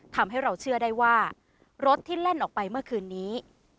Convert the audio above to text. ทำให้เราเชื่อได้ว่ารถที่แล่นออกไปเมื่อคืนนี้